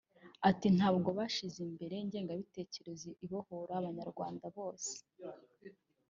Ati "Ntabwo bashyize imbere ingengabitekerezo ibohora Abanyarwanda bose